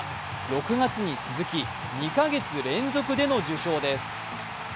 ６月に続き、２か月連続での受賞です。